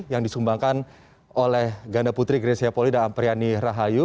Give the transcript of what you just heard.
yang disumbangkan oleh ganda putri grecia poli dan ampriani rahayu